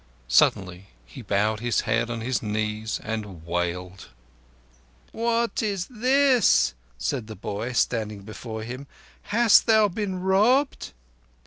Suddenly he bowed his head on his knees and wailed. "What is this?" said the boy, standing before him. "Hast thou been robbed?"